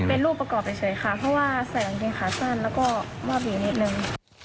เป็นรูปประกอบเฉยค่ะเพราะว่าใส่กางเกงขาสั้นแล้วก็มอบอยู่นิดนึง